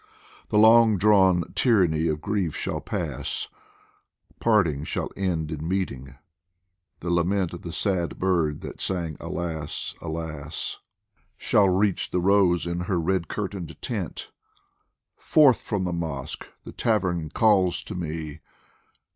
The long drawn tyranny of grief shall pass, Parting shall end in meeting, the lament Of the sad bird that sang " Alas, alas !" Shall reach the rose in her red curtained tent. Forth from the mosque ! the tavern calls to me